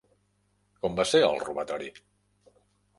Com va ser el robatori?